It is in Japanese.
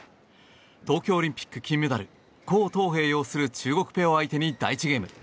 東京オリンピック金メダルコウ・トウヘイ擁する中国ペアを相手に、第１ゲーム。